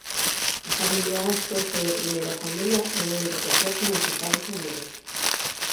A familia Astor foi a primeira familia en enriquecerse nos Estados Unidos.